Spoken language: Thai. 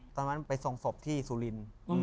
ตอนนั้นไปส่งศพที่สุรินทร์